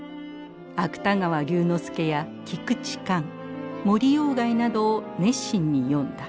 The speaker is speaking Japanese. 芥川龍之介や菊池寛森外などを熱心に読んだ。